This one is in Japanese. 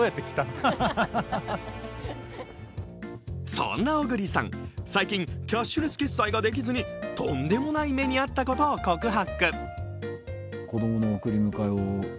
そんな小栗さん、最近、キャッシュレス決済ができずにとんでもない目に遭ったことを告白。